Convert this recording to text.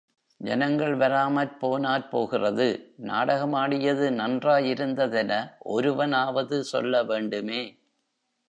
ஜனங்கள் வராமற் போனாற் போகிறது நாடகமாடியது நன்றாயிருந்ததென ஒருவனாவது சொல்ல வேண்டுமே!